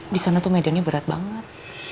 disana tuh mediannya berat banget